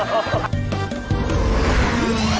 โตไหลอ่ะ